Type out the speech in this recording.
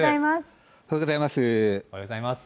おはようございます。